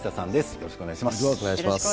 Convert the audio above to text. よろしくお願いします。